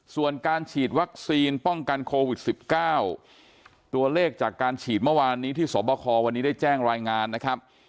ส่วนการฉีดวัคซีนป้องกันโควิด๑๙ตัวเลขจากการฉีดเมื่อวานนี้ที่สวบควันนี้ได้แจ้งรายงานนะครับ